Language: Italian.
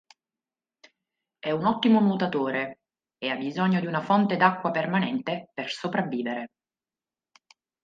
È un ottimo nuotatore e ha bisogno di una fonte d'acqua permanente per sopravvivere.